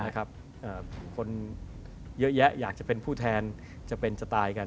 คนเยอะแยะอยากจะเป็นผู้แทนจะเป็นจะตายกัน